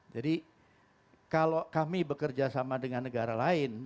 jadi kalau kami bekerja sama dengan negara lain